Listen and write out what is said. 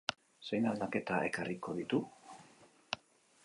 Zein aldaketa ekarriko ditu?